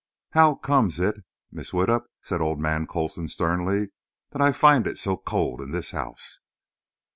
"How comes it, Mrs. Widdup," said old man Coulson sternly, "that I find it so cold in this house?"